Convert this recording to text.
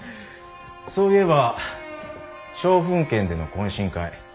そういえば松風軒での懇親会。